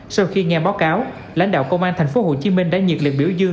sau khi nghe báo cáo lãnh đạo công an tp hcm đã nhiệt liệt biểu dương